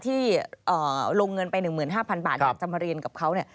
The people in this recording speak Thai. ที่ลงเงินไป๑๕๐๐๐บาทอยากจะมาเรียนกับเขาเนี่ย